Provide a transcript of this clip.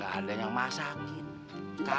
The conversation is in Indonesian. gak ada yang masakin